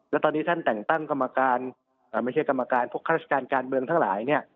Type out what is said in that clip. แล้วตอนนี้ท่านแต่งตั้งกรรมการไม่ใช่กรรมการพวกข้าราชการการเมืองทั้งหลายเนี่ย